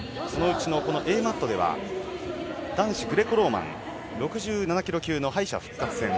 Ａマットでは男子グレコローマン６７ｋｇ級の敗者復活戦。